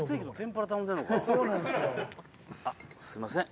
あっすいません。